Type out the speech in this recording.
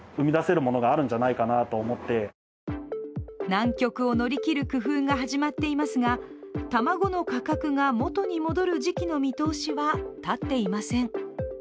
難局を乗り切る工夫が始まっていますが卵の価格が元に戻る時期の見通しは立っていません。